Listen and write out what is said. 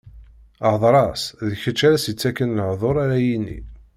Hdeṛ-as, d kečč ara s-ittaken lehduṛ ara yini.